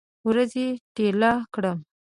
ورځې ټیله کړم